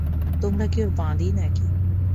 তোমরা কি ওঁর বাঁদী নাকি?